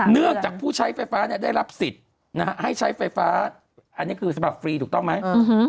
เนื่องจากผู้ใช้ไฟฟ้าได้รับสิทธิ์ให้ใช้ไฟฟ้าอันนี้คือสำหรับฟรีถูกต้องไหม